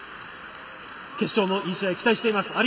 決勝もいい試合を期待しています。